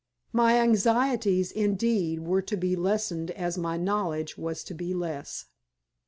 My anxieties, indeed, were to be lessened as my knowledge was to be less.